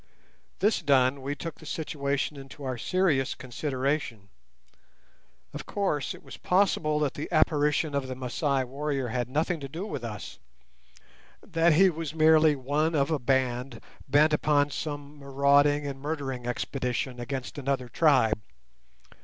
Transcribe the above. This done, we took the situation into our serious consideration. Of course, it was possible that the apparition of the Masai warrior had nothing to do with us, that he was merely one of a band bent upon some marauding and murdering expedition against another tribe.